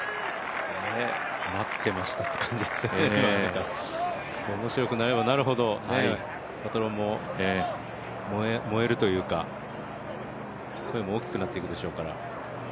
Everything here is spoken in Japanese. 待ってましたって感じですね、面白くなればなるほど、パトロンも燃えるというか、声も大きくなっていくでしょうから。